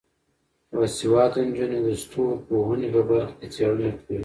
باسواده نجونې د ستورپوهنې په برخه کې څیړنه کوي.